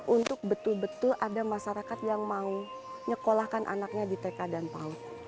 untuk betul betul ada masyarakat yang mau nyekolahkan anaknya di tk dan paut